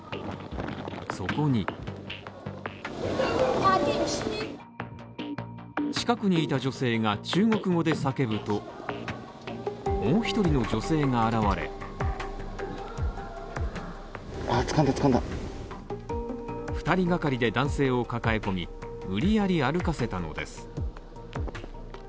そこに近くにいた女性が中国語で叫ぶともう１人の女性が現れ、２人がかりで男性を抱え込み、無理やり歩かせたのです。